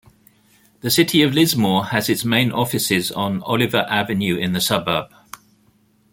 The City of Lismore has its main offices on Oliver Avenue in the suburb.